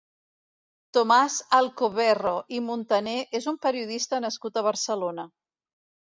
Tomàs Alcoverro i Muntané és un periodista nascut a Barcelona.